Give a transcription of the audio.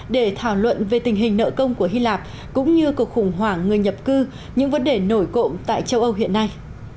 để thảo luận về tình hình nợ công của hy lạp cũng như cuộc khủng hoảng người nhập cư những vấn đề nổi cộng tại châu âu hiện nay